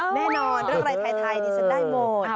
แน่นอนเรื่องอะไรไทยดิฉันได้หมด